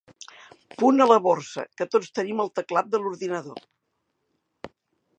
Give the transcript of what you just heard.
Punt a la Borsa que tots tenim al teclat de l'ordinador.